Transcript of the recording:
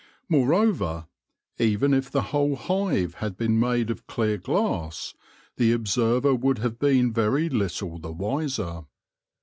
Moreover, even if the whole hive had been made of clear glass, the observer would have been very little the wiser.